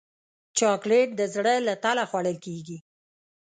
چاکلېټ د زړه له تله خوړل کېږي.